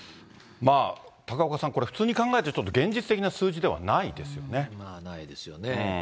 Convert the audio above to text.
高岡さん、普通に考えて、ちょっと現実的な数字ではないですないですよね。